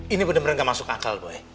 ini bener bener gak masuk akal boy